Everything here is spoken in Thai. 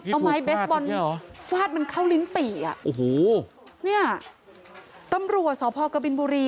เอาไม้เบสบอลฟาดมันเข้าลิ้นปี่อ่ะโอ้โหเนี่ยตำรวจสพกบินบุรี